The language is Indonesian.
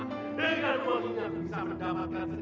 tinggalnya kalau berbuat semua hati